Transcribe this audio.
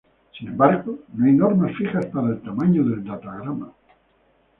Sin embargo no hay normas fijas para el tamaño del datagrama.